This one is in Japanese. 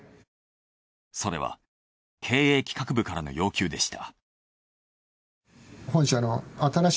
それは経営企画部からの要求でした。